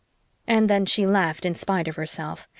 And then she laughed in spite of herself.